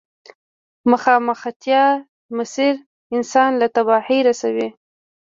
مخامختيا مسير انسان له تباهي رسوي.